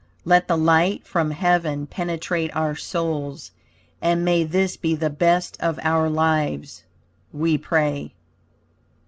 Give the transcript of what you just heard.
Let the light from heaven penetrate our souls, and may this be the best of our lives, we pray.